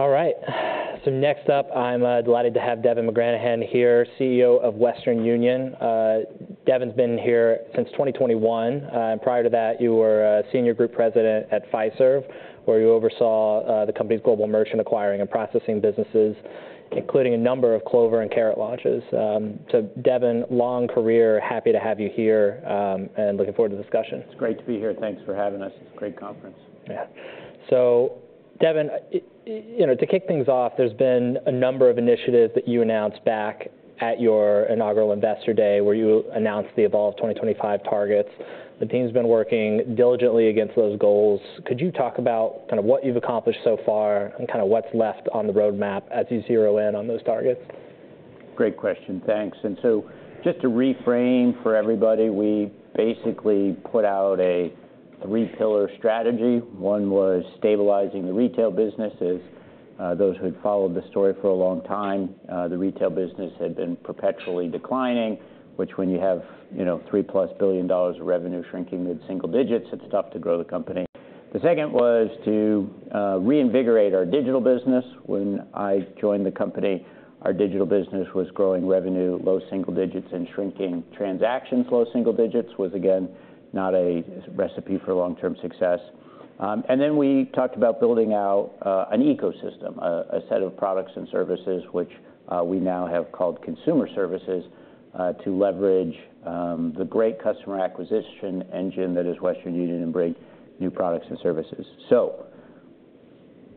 All right, so next up, I'm delighted to have Devin McGranahan here, CEO of Western Union. Devin's been here since 2021, and prior to that, you were a senior group president at Fiserv, where you oversaw the company's global merchant acquiring and processing businesses, including a number of Clover and Carat launches, so Devin, long career, happy to have you here, and looking forward to the discussion. It's great to be here. Thanks for having us. It's a great conference. Yeah. So Devin, you know, to kick things off, there's been a number of initiatives that you announced back at your inaugural Investor Day, where you announced the Evolve 2025 targets. The team's been working diligently against those goals. Could you talk about kind of what you've accomplished so far, and kind of what's left on the roadmap as you zero in on those targets? Great question. Thanks. And so just to reframe for everybody, we basically put out a three-pillar strategy. One was stabilizing the retail businesses. Those who had followed the story for a long time, the retail business had been perpetually declining, which when you have, you know, $3-plus billion of revenue shrinking mid-single digits, it's tough to grow the company. The second was to reinvigorate our digital business. When I joined the company, our digital business was growing revenue, low single digits and shrinking transactions. Low single digits was, again, not a recipe for long-term success. And then we talked about building out an ecosystem, a set of products and services, which we now have called Consumer Services to leverage the great customer acquisition engine that is Western Union and bring new products and services. So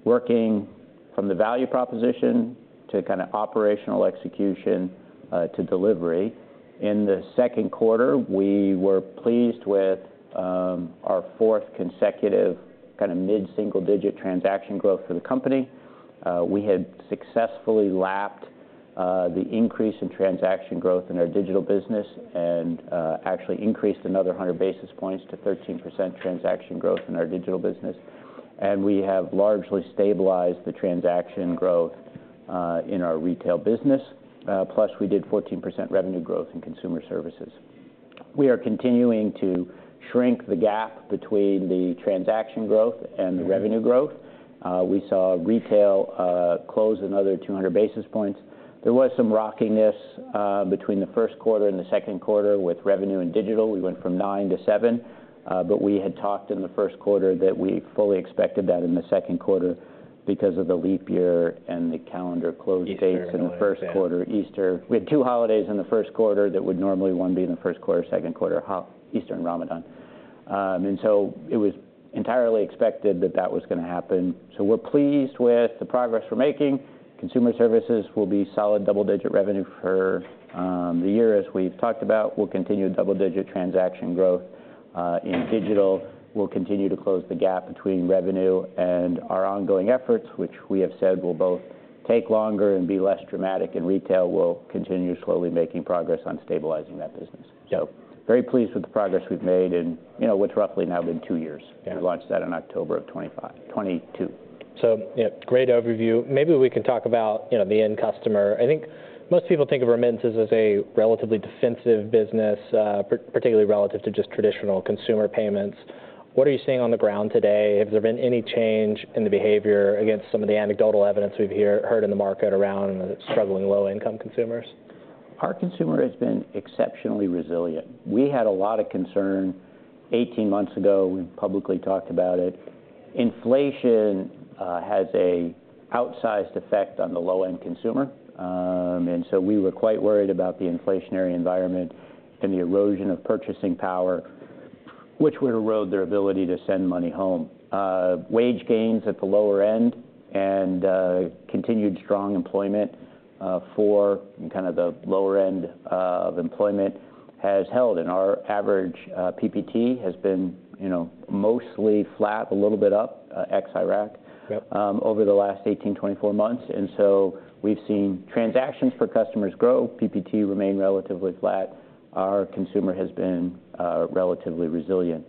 working from the value proposition to kind of operational execution, to delivery, in the second quarter, we were pleased with our fourth consecutive kind of mid-single-digit transaction growth for the company. We had successfully lapped the increase in transaction growth in our digital business, and actually increased another one hundred basis points to 13% transaction growth in our digital business. And we have largely stabilized the transaction growth in our retail business, plus we did 14% revenue growth in Consumer Services. We are continuing to shrink the gap between the transaction growth and the revenue growth. We saw retail close another two hundred basis points. There was some rockiness between the first quarter and the second quarter with revenue and digital. We went from nine to seven, but we had talked in the first quarter that we fully expected that in the second quarter because of the leap year and the calendar closed dates. Easter and other events ...in the first quarter, Easter. We had two holidays in the first quarter that would normally be one in the first quarter, second quarter, like Easter and Ramadan. And so it was entirely expected that that was going to happen. So we're pleased with the progress we're making. Consumer Services will be solid double-digit revenue for the year, as we've talked about. We'll continue double-digit transaction growth. In digital, we'll continue to close the gap between revenue and our ongoing efforts, which we have said will both take longer and be less dramatic, and retail will continue slowly making progress on stabilizing that business. So very pleased with the progress we've made in, you know, what's roughly now been two years. We launched that in October of 2025... 2022. So yeah, great overview. Maybe we can talk about, you know, the end customer. I think most people think of remittances as a relatively defensive business, particularly relative to just traditional consumer payments. What are you seeing on the ground today? Has there been any change in the behavior against some of the anecdotal evidence we've heard in the market around struggling low-income consumers? Our consumer has been exceptionally resilient. We had a lot of concern eighteen months ago. We publicly talked about it. Inflation has an outsized effect on the low-end consumer, and so we were quite worried about the inflationary environment and the erosion of purchasing power, which would erode their ability to send money home, wage gains at the lower end and continued strong employment for kind of the lower end of employment has held, and our average PPT has been, you know, mostly flat, a little bit up ex-Iraq. Yep... over the last 18-24 months. And so we've seen transactions for customers grow, PPT remain relatively flat. Our consumer has been, relatively resilient.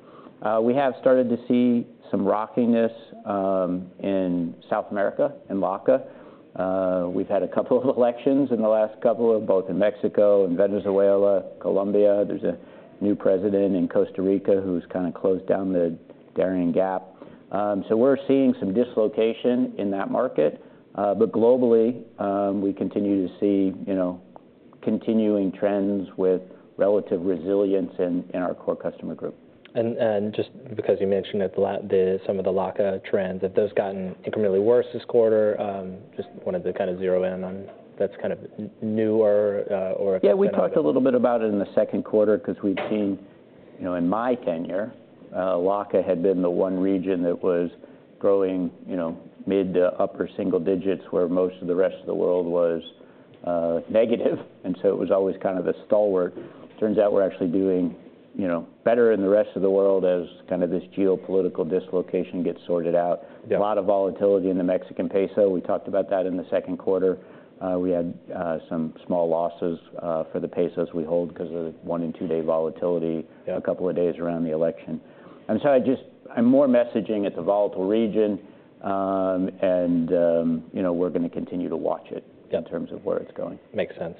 We have started to see some rockiness, in South America, in LACA. We've had a couple of elections in the last couple both in Mexico and Venezuela, Colombia. There's a new president in Costa Rica, who's kind of closed down the Darien Gap. So we're seeing some dislocation in that market. But globally, we continue to see, you know, continuing trends with relative resilience in, in our core customer group. And just because you mentioned it, the LACA trends, have those gotten incrementally worse this quarter? Just wanted to kind of zero in on that's kind of newer, or if- Yeah, we talked a little bit about it in the second quarter, because we've seen, you know, in my tenure, LACA had been the one region that was growing, you know, mid to upper single digits, where most of the rest of the world was negative, and so it was always kind of a stalwart. Turns out we're actually doing, you know, better in the rest of the world as kind of this geopolitical dislocation gets sorted out. Yeah. A lot of volatility in the Mexican peso. We talked about that in the second quarter. We had some small losses for the pesos we hold because of the one-and-two-day volatility- Yeah... a couple of days around the election. I'm sorry. I'm more messaging it's a volatile region, and, you know, we're going to continue to watch it- Yeah... in terms of where it's going. Makes sense.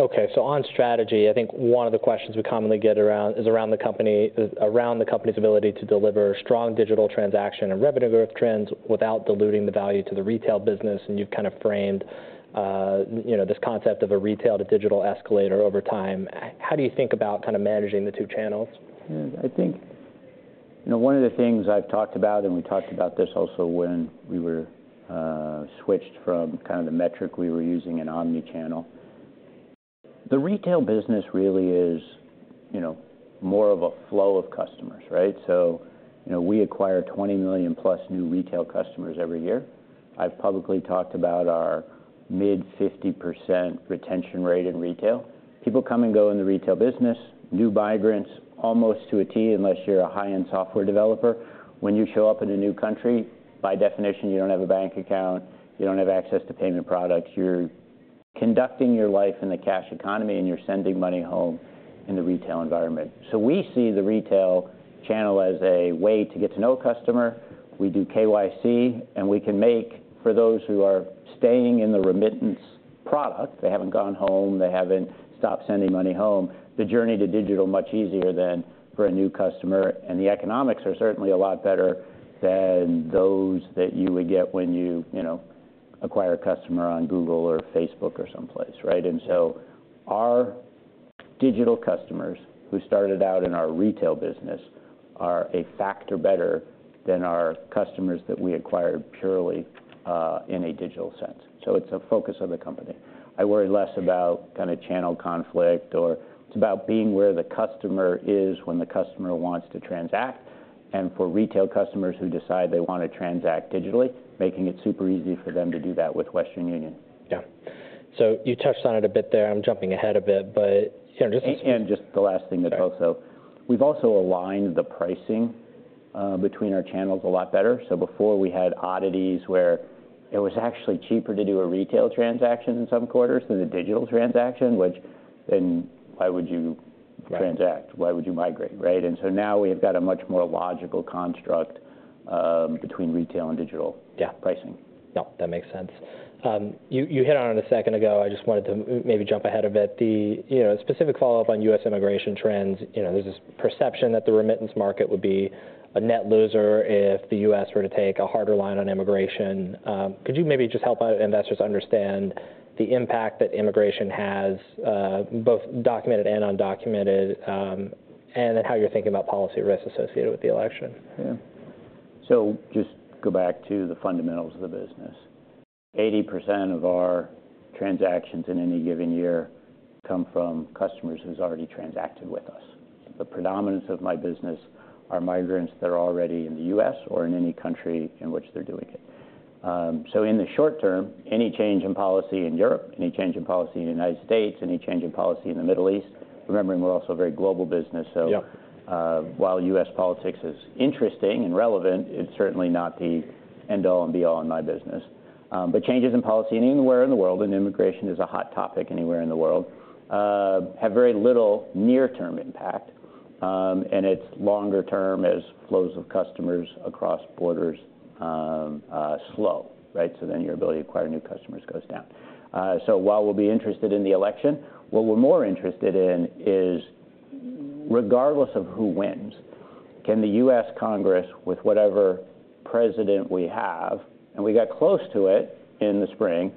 Okay, so on strategy, I think one of the questions we commonly get around the company's ability to deliver strong digital transaction and revenue growth trends without diluting the value to the retail business, and you've kind of framed, you know, this concept of a retail to digital escalator over time. How do you think about kind of managing the two channels? You know, one of the things I've talked about, and we talked about this also when we were switched from kind of the metric we were using in omni-channel. The retail business really is, you know, more of a flow of customers, right? So, you know, we acquire twenty million plus new retail customers every year. I've publicly talked about our mid-50% retention rate in retail. People come and go in the retail business. New migrants, almost to a T, unless you're a high-end software developer, when you show up in a new country, by definition, you don't have a bank account, you don't have access to payment products. You're conducting your life in the cash economy, and you're sending money home in the retail environment. So we see the retail channel as a way to get to know a customer. We do KYC, and we can make for those who are staying in the remittance product, they haven't gone home, they haven't stopped sending money home, the journey to digital much easier than for a new customer, and the economics are certainly a lot better than those that you would get when you, you know, acquire a customer on Google or Facebook or someplace, right? And so our digital customers who started out in our retail business are a factor better than our customers that we acquired purely in a digital sense. So it's a focus of the company. I worry less about kind of channel conflict. It's about being where the customer is when the customer wants to transact, and for retail customers who decide they want to transact digitally, making it super easy for them to do that with Western Union. Yeah. So you touched on it a bit there. I'm jumping ahead a bit, but, you know, just- Just the last thing that also- Sorry. We've also aligned the pricing between our channels a lot better. So before we had oddities where it was actually cheaper to do a retail transaction in some quarters than a digital transaction, which then why would you transact? Yeah. Why would you migrate, right? And so now we've got a much more logical construct between retail and digital- Yeah - pricing. Yep, that makes sense. You hit on it a second ago, I just wanted to maybe jump ahead a bit. You know, specific follow-up on U.S. immigration trends, you know, there's this perception that the remittance market would be a net loser if the U.S. were to take a harder line on immigration. Could you maybe just help our investors understand the impact that immigration has, both documented and undocumented, and then how you're thinking about policy risks associated with the election? Yeah. So just go back to the fundamentals of the business. 80% of our transactions in any given year come from customers who's already transacted with us. The predominance of my business are migrants that are already in the U.S. or in any country in which they're doing it. So in the short term, any change in policy in Europe, any change in policy in the United States, any change in policy in the Middle East, remembering we're also a very global business, so- Yeah … While U.S. politics is interesting and relevant, it's certainly not the end all and be all in my business. But changes in policy anywhere in the world, and immigration is a hot topic anywhere in the world, have very little near-term impact. And it's longer term as flows of customers across borders slow, right? So then your ability to acquire new customers goes down. So while we'll be interested in the election, what we're more interested in is, regardless of who wins, can the U.S. Congress, with whatever president we have, and we got close to it in the spring,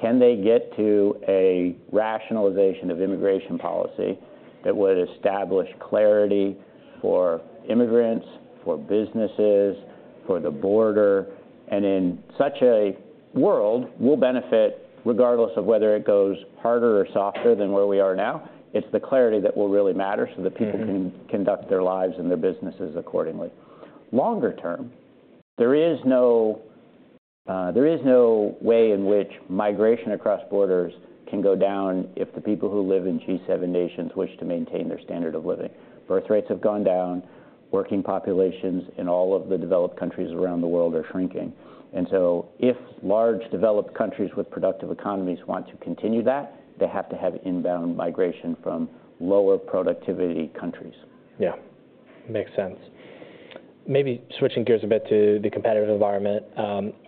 can they get to a rationalization of immigration policy that would establish clarity for immigrants, for businesses, for the border? And in such a world, we'll benefit regardless of whether it goes harder or softer than where we are now. It's the clarity that will really matter so that- Mm-hmm... people can conduct their lives and their businesses accordingly. Longer term, there is no way in which migration across borders can go down if the people who live in G7 nations wish to maintain their standard of living. Birth rates have gone down. Working populations in all of the developed countries around the world are shrinking. And so if large developed countries with productive economies want to continue that, they have to have inbound migration from lower productivity countries. Yeah, makes sense. Maybe switching gears a bit to the competitive environment.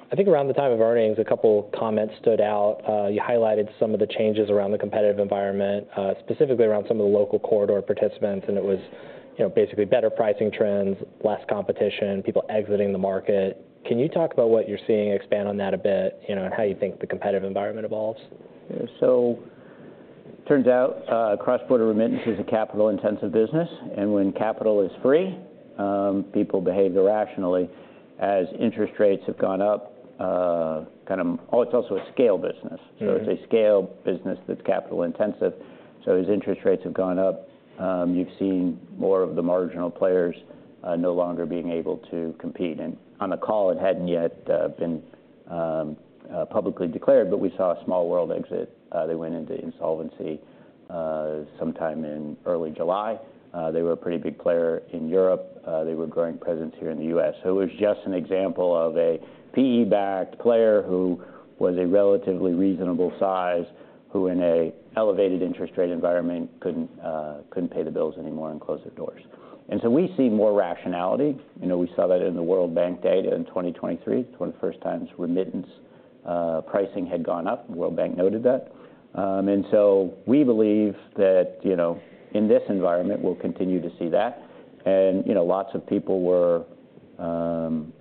I think around the time of our earnings, a couple comments stood out. You highlighted some of the changes around the competitive environment, specifically around some of the local corridor participants, and it was, you know, basically better pricing trends, less competition, people exiting the market. Can you talk about what you're seeing, expand on that a bit, you know, and how you think the competitive environment evolves? Yeah. So turns out, cross-border remittance is a capital-intensive business, and when capital is free, people behave irrationally as interest rates have gone up. Oh, it's also a scale business. Mm. It's a scale business that's capital intensive. As interest rates have gone up, you've seen more of the marginal players no longer being able to compete. On the call, it hadn't yet been publicly declared, but we saw a Small World exit. They went into insolvency sometime in early July. They were a pretty big player in Europe. They were growing presence here in the U.S. It was just an example of a PE-backed player who was a relatively reasonable size, who in a elevated interest rate environment, couldn't pay the bills anymore and closed their doors. We see more rationality. You know, we saw that in the World Bank data in 2023. It's one of the first times remittance pricing had gone up. World Bank noted that. And so we believe that, you know, in this environment, we'll continue to see that. And, you know, lots of people were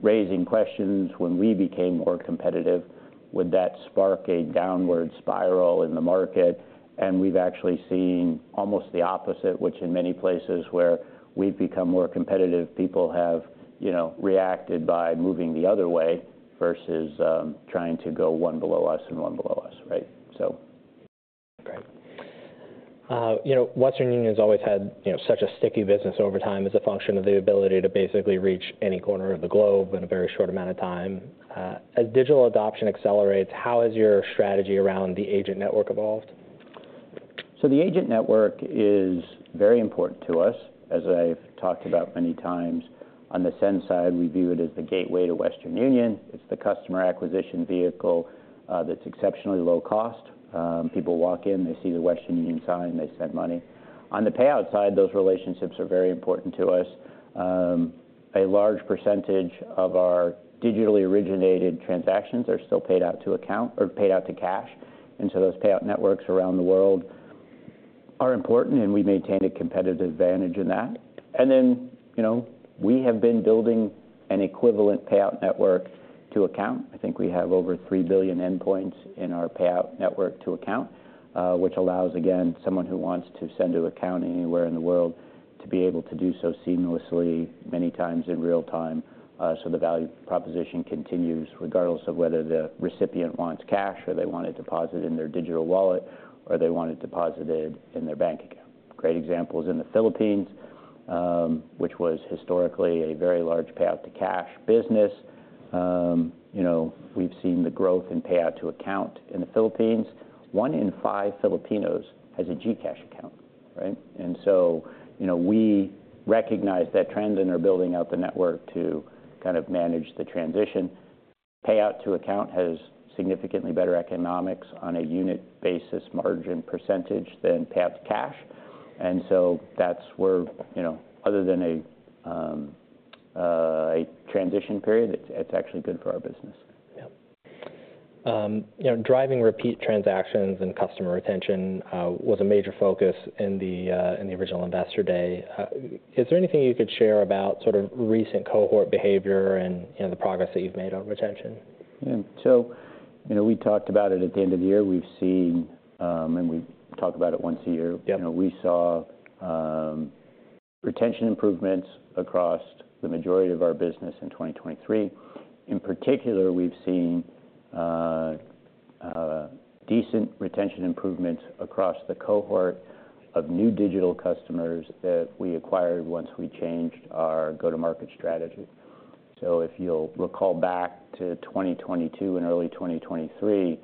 raising questions when we became more competitive, would that spark a downward spiral in the market? And we've actually seen almost the opposite, which in many places where we've become more competitive, people have, you know, reacted by moving the other way versus, trying to go one below us, right? So. Great. You know, Western Union's always had, you know, such a sticky business over time as a function of the ability to basically reach any corner of the globe in a very short amount of time. As digital adoption accelerates, how has your strategy around the agent network evolved? So the agent network is very important to us. As I've talked about many times, on the send side, we view it as the gateway to Western Union. It's the customer acquisition vehicle that's exceptionally low cost. People walk in, they see the Western Union sign, they send money. On the payout side, those relationships are very important to us. A large percentage of our digitally originated transactions are still paid out to account or paid out to cash, and so those payout networks around the world are important, and we maintain a competitive advantage in that. And then, you know, we have been building an equivalent payout network to account. I think we have over three billion endpoints in our payout network to account, which allows, again, someone who wants to send to account anywhere in the world, to be able to do so seamlessly, many times in real time. So the value proposition continues regardless of whether the recipient wants cash or they want it deposited in their digital wallet, or they want it deposited in their bank account. Great example is in the Philippines, which was historically a very large payout to cash business. You know, we've seen the growth in payout to account in the Philippines. One in five Filipinos has a GCash account, right? And so, you know, we recognize that trend and are building out the network to kind of manage the transition. Payout to account has significantly better economics on a unit basis margin percentage than payout to cash. And so that's where, you know, other than a transition period, it's actually good for our business. Yeah. You know, driving repeat transactions and customer retention was a major focus in the original Investor Day. Is there anything you could share about sort of recent cohort behavior and, you know, the progress that you've made on retention? Yeah. So, you know, we talked about it at the end of the year. We've seen, and we talk about it once a year. Yep. You know, we saw retention improvements across the majority of our business in 2023. In particular, we've seen decent retention improvements across the cohort of new digital customers that we acquired once we changed our go-to-market strategy. So if you'll recall back to 2022 and early 2023,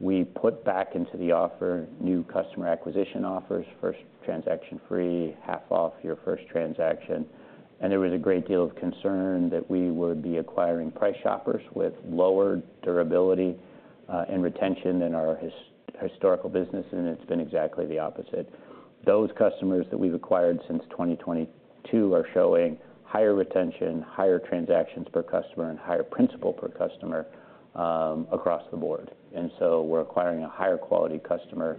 we put back into the offer new customer acquisition offers, first transaction free, half off your first transaction, and there was a great deal of concern that we would be acquiring price shoppers with lower durability and retention than our historical business, and it's been exactly the opposite. Those customers that we've acquired since 2022 are showing higher retention, higher transactions per customer, and higher principal per customer across the board. And so we're acquiring a higher quality customer,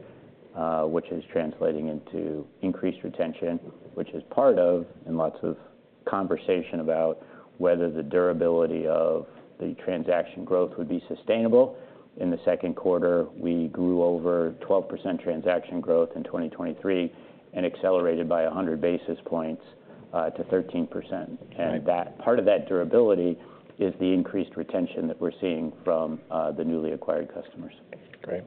which is translating into increased retention, which is part of, and lots of conversation about, whether the durability of the transaction growth would be sustainable. In the second quarter, we grew over 12% transaction growth in 2023, and accelerated by 100 basis points to 13%. Right. And part of that durability is the increased retention that we're seeing from the newly acquired customers. Great.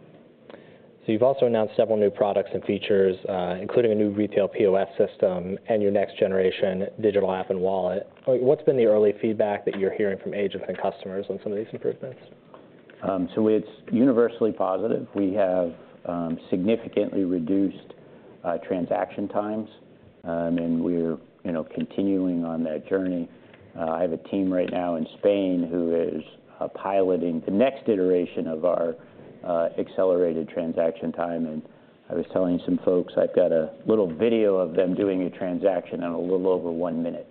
So you've also announced several new products and features, including a new retail POS system and your next generation digital app and wallet. What's been the early feedback that you're hearing from agents and customers on some of these improvements? So it's universally positive. We have significantly reduced transaction times, and we're, you know, continuing on that journey. I have a team right now in Spain who is piloting the next iteration of our accelerated transaction time, and I was telling some folks I've got a little video of them doing a transaction in a little over one minute,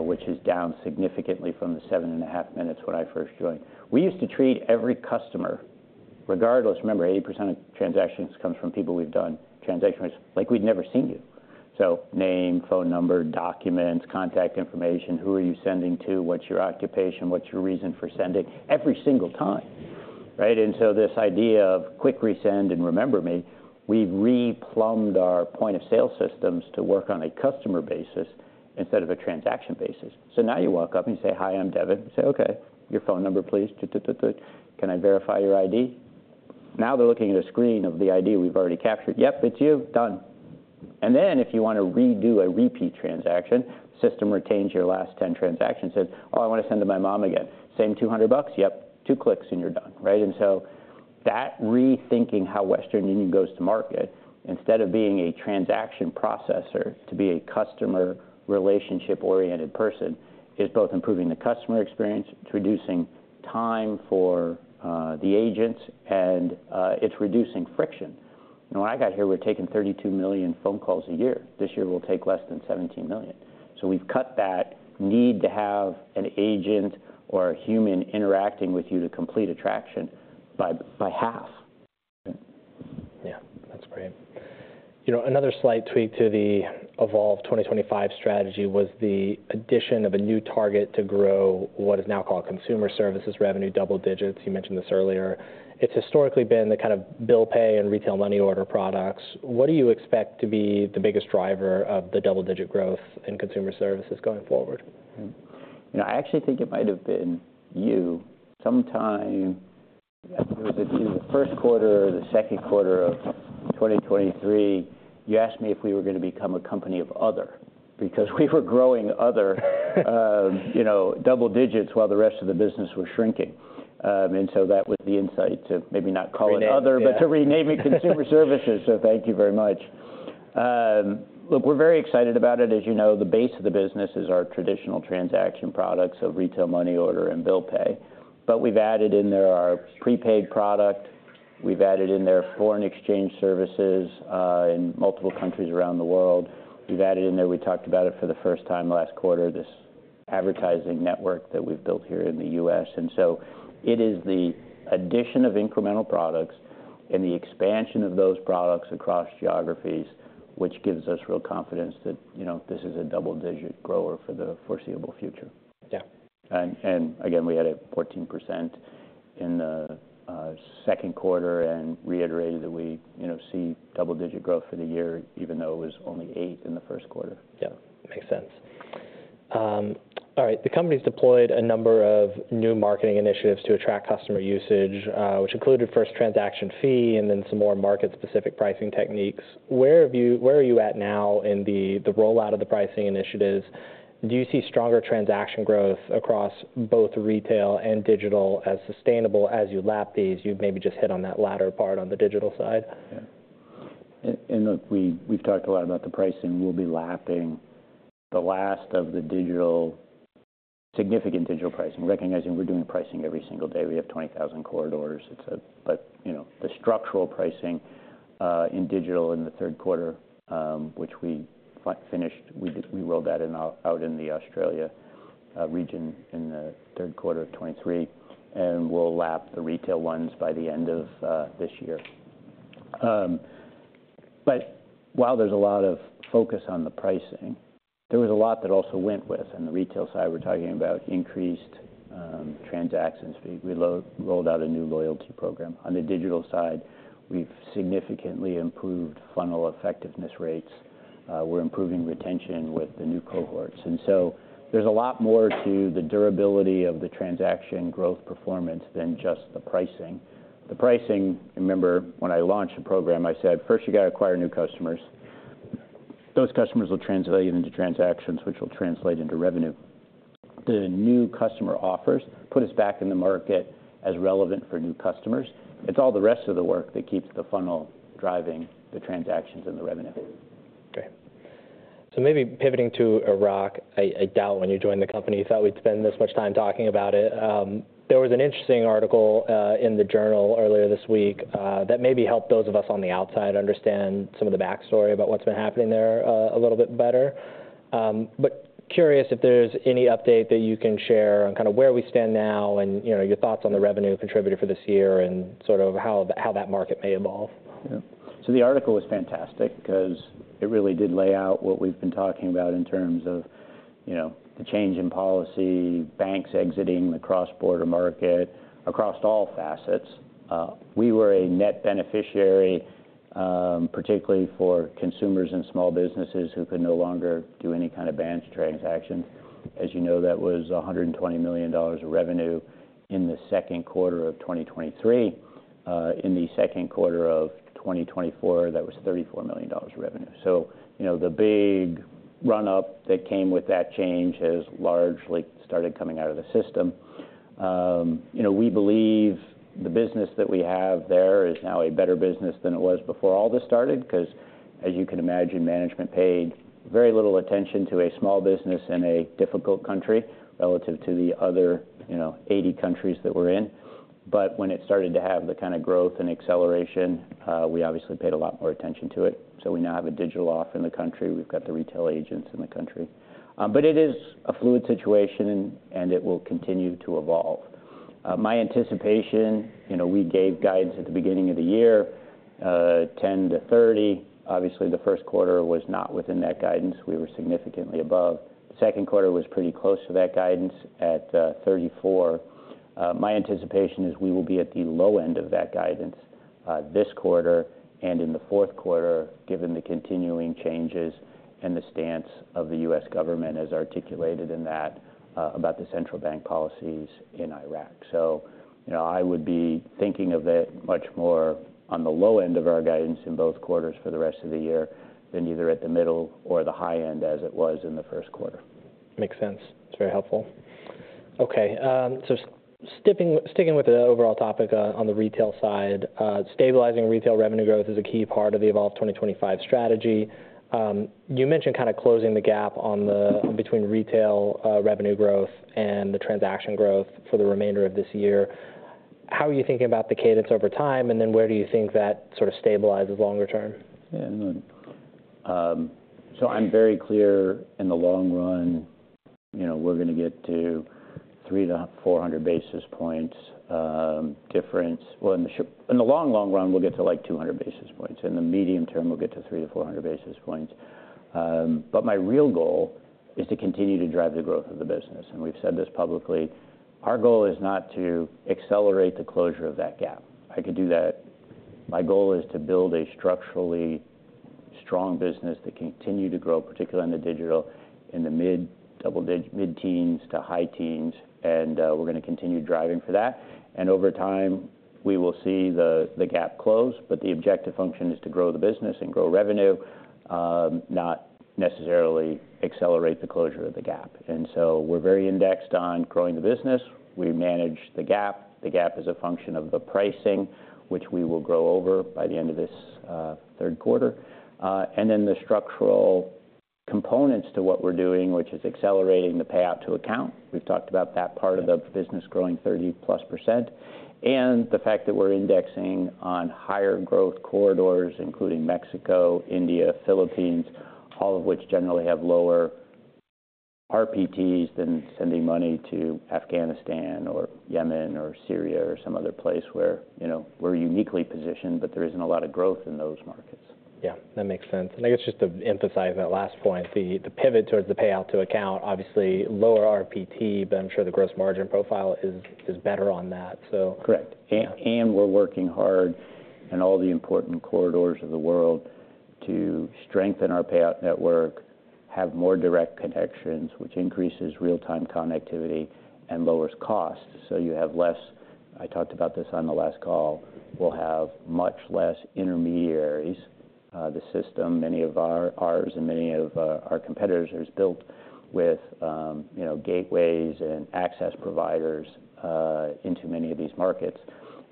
which is down significantly from the seven and a half minutes when I first joined. We used to treat every customer, regardless... Remember, 80% of transactions comes from people we've done transactions, like we'd never seen you. So name, phone number, documents, contact information, who are you sending to? What's your occupation? What's your reason for sending? Every single time, right? This idea of quick resend and remember me, we've replumbed our point of sale systems to work on a customer basis instead of a transaction basis. So now you walk up and you say, "Hi, I'm Devin." You say, "Okay, your phone number, please. Tututu. Can I verify your ID?" Now they're looking at a screen of the ID we've already captured. "Yep, it's you. Done." And then, if you want to redo a repeat transaction, system retains your last 10 transactions, says, "Oh, I want to send to my mom again." "Same $200?" "Yep." Two clicks, and you're done, right? And so that rethinking how Western Union goes to market, instead of being a transaction processor, to be a customer relationship-oriented person, is both improving the customer experience, it's reducing time for the agents, and it's reducing friction. When I got here, we were taking 32 million phone calls a year. This year, we'll take less than 17 million. So we've cut that need to have an agent or a human interacting with you to complete a transaction by half.... Yeah, that's great. You know, another slight tweak to the Evolve 2025 strategy was the addition of a new target to grow what is now called Consumer Services revenue, double digits. You mentioned this earlier. It's historically been the kind of bill pay and retail money order products. What do you expect to be the biggest driver of the double-digit growth in Consumer Services going forward? You know, I actually think it might have been you. Sometime, it was in the first quarter or the second quarter of 2023, you asked me if we were gonna become a company of other, because we were growing other, you know, double digits while the rest of the business was shrinking. And so that was the insight to maybe not call it other. Yeah. But to rename it Consumer Services, so thank you very much. Look, we're very excited about it. As you know, the base of the business is our traditional transaction products of retail money order and bill pay, but we've added in there our prepaid product. We've added in there foreign exchange services in multiple countries around the world. We've added in there, we talked about it for the first time last quarter, this advertising network that we've built here in the U.S. And so it is the addition of incremental products and the expansion of those products across geographies, which gives us real confidence that, you know, this is a double-digit grower for the foreseeable future. Yeah. Again, we had 14% in the second quarter and reiterated that we, you know, see double-digit growth for the year, even though it was only 8% in the first quarter. Yeah, makes sense. All right, the company's deployed a number of new marketing initiatives to attract customer usage, which included first transaction fee and then some more market-specific pricing techniques. Where are you at now in the rollout of the pricing initiatives? Do you see stronger transaction growth across both retail and digital as sustainable as you lap these? You maybe just hit on that latter part on the digital side. Yeah. And look, we've talked a lot about the pricing. We'll be lapping the last of the digital significant digital pricing, recognizing we're doing pricing every single day. We have 20,000 corridors, et cetera. But you know, the structural pricing in digital in the third quarter, which we finished, we rolled that out in the Australia region in the third quarter of 2023, and we'll lap the retail ones by the end of this year. But while there's a lot of focus on the pricing, there was a lot that also went with. On the retail side, we're talking about increased transaction fees. We rolled out a new loyalty program. On the digital side, we've significantly improved funnel effectiveness rates. We're improving retention with the new cohorts. There's a lot more to the durability of the transaction growth performance than just the pricing. The pricing, remember, when I launched the program, I said, "First, you got to acquire new customers. Those customers will translate into transactions, which will translate into revenue." The new customer offers put us back in the market as relevant for new customers. It's all the rest of the work that keeps the funnel driving the transactions and the revenue. Okay. So maybe pivoting to Iraq, I doubt when you joined the company, you thought we'd spend this much time talking about it. There was an interesting article in the Journal earlier this week that maybe helped those of us on the outside understand some of the backstory about what's been happening there a little bit better. But curious if there's any update that you can share on kind of where we stand now and, you know, your thoughts on the revenue contributor for this year and sort of how that market may evolve. Yeah. So the article was fantastic because it really did lay out what we've been talking about in terms of, you know, the change in policy, banks exiting the cross-border market, across all facets. We were a net beneficiary, particularly for consumers and small businesses who could no longer do any kind of bank transaction. As you know, that was $120 million of revenue in the second quarter of 2023. In the second quarter of 2024, that was $34 million revenue. So, you know, the big run up that came with that change has largely started coming out of the system. You know, we believe the business that we have there is now a better business than it was before all this started, 'cause as you can imagine, management paid very little attention to a small business in a difficult country relative to the other, you know, 80 countries that we're in. But when it started to have the kind of growth and acceleration, we obviously paid a lot more attention to it. So we now have a digital offer in the country. We've got the retail agents in the country. But it is a fluid situation, and it will continue to evolve. My anticipation, you know, we gave guidance at the beginning of the year, 10 to 30. Obviously, the first quarter was not within that guidance. We were significantly above. Second quarter was pretty close to that guidance at 34. My anticipation is we will be at the low end of that guidance, this quarter and in the fourth quarter, given the continuing changes and the stance of the U.S. government as articulated in that about the central bank policies in Iraq, so you know, I would be thinking of it much more on the low end of our guidance in both quarters for the rest of the year than either at the middle or the high end as it was in the first quarter. Makes sense. It's very helpful. Okay, so sticking with the overall topic, on the retail side, stabilizing retail revenue growth is a key part of the Evolve 2025 strategy. You mentioned kind of closing the gap on the between retail revenue growth and the transaction growth for the remainder of this year. How are you thinking about the cadence over time, and then where do you think that sort of stabilizes longer term? Yeah, no. So I'm very clear in the long run, you know, we're gonna get to 300-400 basis points difference. In the long, long run, we'll get to, like, 200 basis points. In the medium term, we'll get to 300-400 basis points. But my real goal is to continue to drive the growth of the business, and we've said this publicly. Our goal is not to accelerate the closure of that gap. I could do that. My goal is to build a structurally strong business that continue to grow, particularly in the digital, mid-teens to high teens, and we're gonna continue driving for that. Over time, we will see the gap close. The objective function is to grow the business and grow revenue, not necessarily accelerate the closure of the gap. We're very indexed on growing the business. We manage the gap. The gap is a function of the pricing, which we will grow over by the end of this third quarter. The structural components to what we're doing, which is accelerating the payout to account. We've talked about that part of the business growing 30+%, and the fact that we're indexing on higher growth corridors, including Mexico, India, Philippines, all of which generally have lower RPTs than sending money to Afghanistan or Yemen or Syria or some other place where, you know, we're uniquely positioned, but there isn't a lot of growth in those markets. Yeah, that makes sense. And I guess just to emphasize that last point, the pivot towards the payout to account, obviously lower RPT, but I'm sure the gross margin profile is better on that, so- Correct. Yeah. We're working hard in all the important corridors of the world to strengthen our payout network, have more direct connections, which increases real-time connectivity and lowers costs. You have less intermediaries. I talked about this on the last call. We'll have much less intermediaries. The system, many of ours and many of our competitors, is built with, you know, gateways and access providers into many of these markets.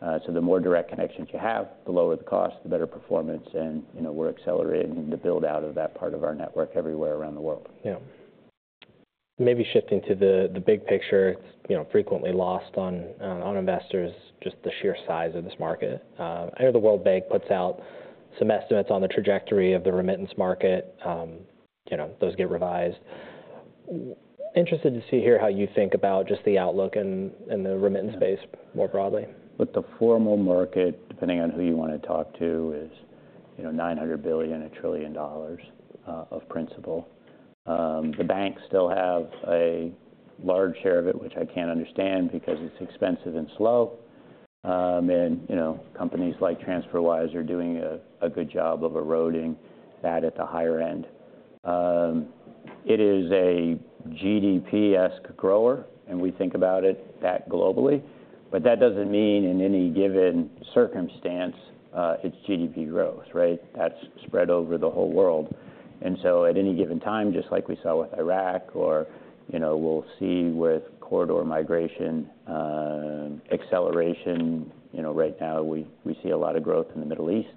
The more direct connections you have, the lower the cost, the better performance. You know, we're accelerating the build-out of that part of our network everywhere around the world. Yeah. Maybe shifting to the big picture, you know, frequently lost on investors, just the sheer size of this market. I know the World Bank puts out some estimates on the trajectory of the remittance market, you know, those get revised. Interested to see here how you think about just the outlook and the remittance base more broadly. But the formal market, depending on who you wanna talk to, is, you know, $900 billion-$1 trillion of principal. The banks still have a large share of it, which I can't understand because it's expensive and slow. And, you know, companies like TransferWise are doing a good job of eroding that at the higher end. It is a GDP-esque grower, and we think about it that globally. But that doesn't mean in any given circumstance, it's GDP growth, right? That's spread over the whole world. And so at any given time, just like we saw with Iraq, or, you know, we'll see with corridor migration, acceleration, you know, right now, we see a lot of growth in the Middle East.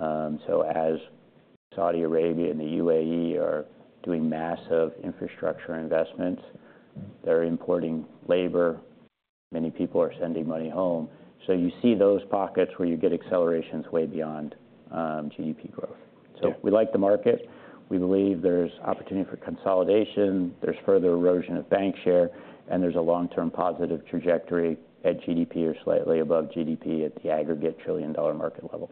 So as Saudi Arabia and the UAE are doing massive infrastructure investments, they're importing labor, many people are sending money home, so you see those pockets where you get accelerations way beyond GDP growth. Yeah. We like the market. We believe there's opportunity for consolidation, there's further erosion of bank share, and there's a long-term positive trajectory at GDP or slightly above GDP at the aggregate trillion-dollar market level.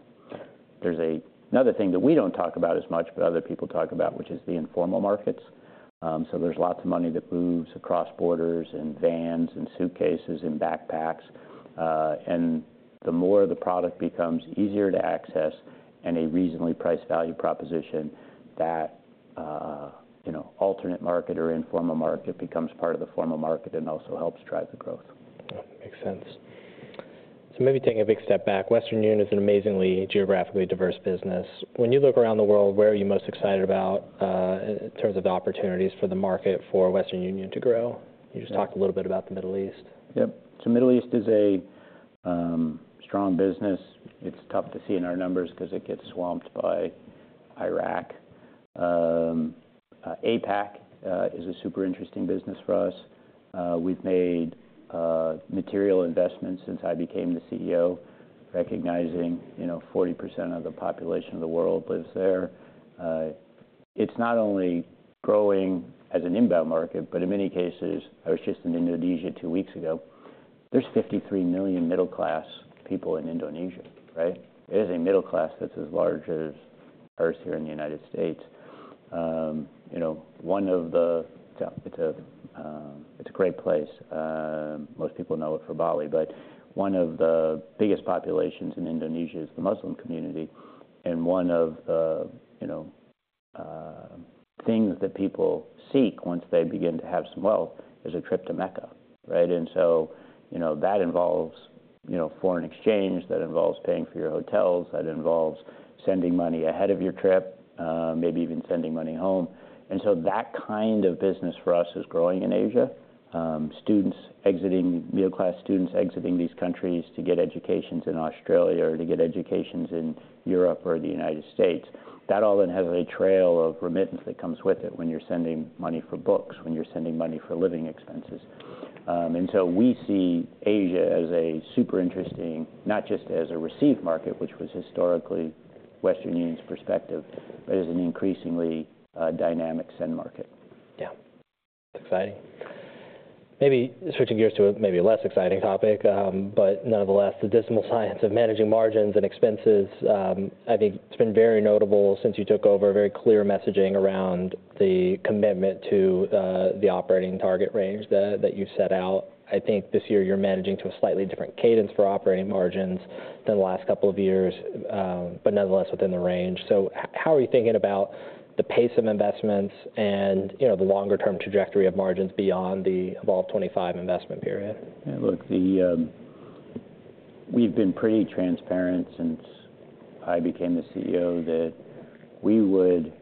There's another thing that we don't talk about as much, but other people talk about, which is the informal markets. There's lots of money that moves across borders in vans and suitcases and backpacks. The more the product becomes easier to access and a reasonably priced value proposition, that, you know, alternate market or informal market becomes part of the formal market and also helps drive the growth. Makes sense. So maybe taking a big step back, Western Union is an amazingly geographically diverse business. When you look around the world, where are you most excited about, in terms of the opportunities for the market for Western Union to grow? Yeah. You just talked a little bit about the Middle East. Yep. So Middle East is a strong business. It's tough to see in our numbers 'cause it gets swamped by Iraq. APAC is a super interesting business for us. We've made material investments since I became the CEO, recognizing, you know, 40% of the population of the world lives there. It's not only growing as an inbound market, but in many cases... I was just in Indonesia two weeks ago. There's 53 million middle-class people in Indonesia, right? It is a middle class that's as large as ours here in the United States. You know, one of the, it's a great place. Most people know it for Bali, but one of the biggest populations in Indonesia is the Muslim community, and one of the, you know, things that people seek once they begin to have some wealth is a trip to Mecca, right? And so, you know, that involves, you know, foreign exchange, that involves paying for your hotels, that involves sending money ahead of your trip, maybe even sending money home. And so that kind of business for us is growing in Asia. Middle-class students exiting these countries to get educations in Australia or to get educations in Europe or the United States. That all then has a trail of remittance that comes with it when you're sending money for books, when you're sending money for living expenses. And so we see Asia as a super interesting, not just as a receive market, which was historically Western Union's perspective, but as an increasingly, dynamic send market. Yeah. Exciting. Maybe switching gears to a maybe less exciting topic, but nonetheless, the dismal science of managing margins and expenses. I think it's been very notable since you took over, very clear messaging around the commitment to the operating target range that you set out. I think this year you're managing to a slightly different cadence for operating margins than the last couple of years, but nonetheless within the range. So how are you thinking about the pace of investments and, you know, the longer term trajectory of margins beyond the Evolve 2025 investment period? Yeah, look, we've been pretty transparent since I became the CEO that we would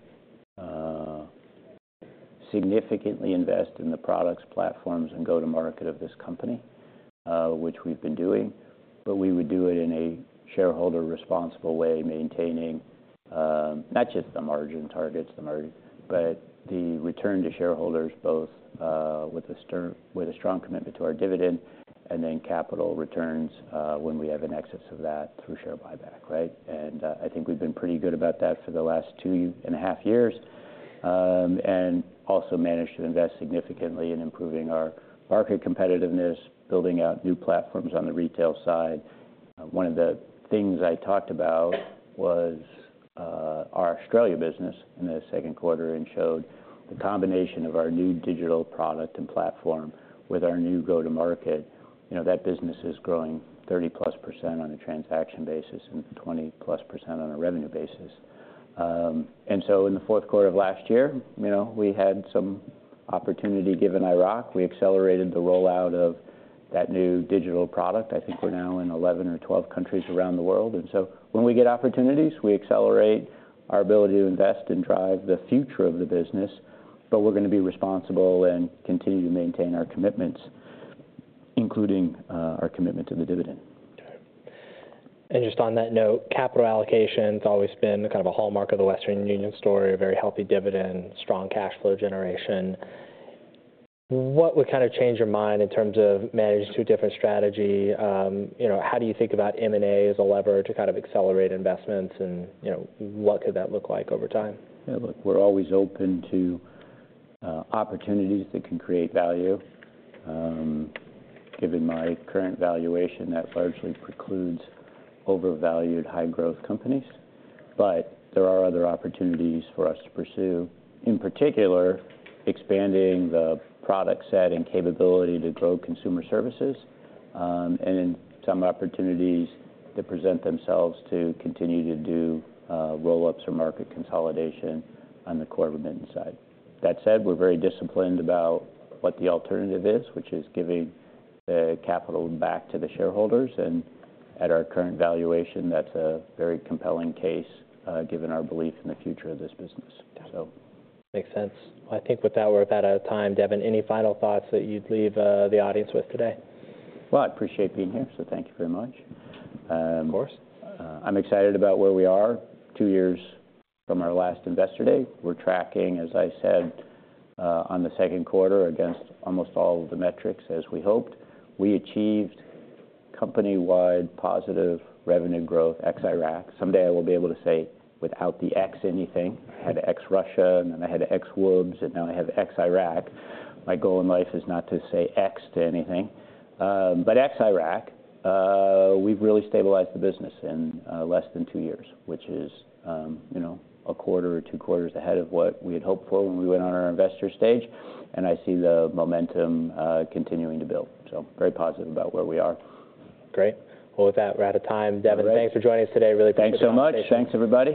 significantly invest in the products, platforms, and go-to-market of this company, which we've been doing. But we would do it in a shareholder responsible way, maintaining not just the margin targets, the margin, but the return to shareholders, both with a strong commitment to our dividend, and then capital returns when we have an excess of that through share buyback, right, and I think we've been pretty good about that for the last two and a half years, and also managed to invest significantly in improving our market competitiveness, building out new platforms on the retail side. One of the things I talked about was our Australia business in the second quarter, and showed the combination of our new digital product and platform with our new go-to-market. You know, that business is growing 30+% on a transaction basis and 20+% on a revenue basis. And so in the fourth quarter of last year, you know, we had some opportunity, given Iraq. We accelerated the rollout of that new digital product. I think we're now in 11 or 12 countries around the world. And so when we get opportunities, we accelerate our ability to invest and drive the future of the business, but we're gonna be responsible and continue to maintain our commitments, including our commitment to the dividend. Okay. And just on that note, capital allocation's always been kind of a hallmark of the Western Union story, a very healthy dividend, strong cash flow generation. What would kind of change your mind in terms of managing to a different strategy? You know, how do you think about M&A as a lever to kind of accelerate investments and, you know, what could that look like over time? Yeah, look, we're always open to opportunities that can create value. Given my current valuation, that largely precludes overvalued high growth companies, but there are other opportunities for us to pursue. In particular, expanding the product set and capability to grow consumer services, and in some opportunities that present themselves to continue to do roll-ups or market consolidation on the core remittance side. That said, we're very disciplined about what the alternative is, which is giving the capital back to the shareholders, and at our current valuation, that's a very compelling case, given our belief in the future of this business. So- Makes sense. I think with that, we're about out of time. Devin, any final thoughts that you'd leave the audience with today? I appreciate being here, so thank you very much. Of course. I'm excited about where we are two years from our last Investor Day. We're tracking, as I said, on the second quarter, against almost all of the metrics as we hoped. We achieved company-wide positive revenue growth, ex Iraq. Someday I will be able to say without the ex anything. I had ex Russia, and then I had ex WUBS, and now I have ex Iraq. My goal in life is not to say ex to anything. But ex Iraq, we've really stabilized the business in less than two years, which is, you know, a quarter or two quarters ahead of what we had hoped for when we went on our investor stage, and I see the momentum continuing to build, so very positive about where we are. Great. Well, with that, we're out of time. All right. Devin, thanks for joining us today. Really appreciate the update. Thanks so much. Thanks, everybody.